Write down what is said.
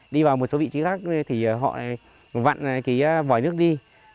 đi vào một số vị trí khác thì họ vặn cái vòi nước đi